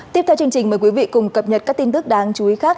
tiếp theo chương trình mời quý vị cùng cập nhật các tin tức đáng chú ý khác